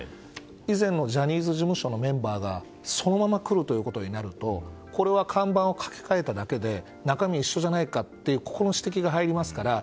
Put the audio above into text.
以前のジャニーズ事務所のメンバーがそのまま来るということになるとこれは看板を書き換えただけで中身一緒じゃないかってここの指摘が入りますから